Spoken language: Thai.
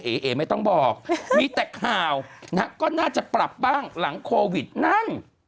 เอ๋ไม่ต้องบอกมีแต่ข่าวนะฮะก็น่าจะปรับบ้างหลังโควิดนั่ง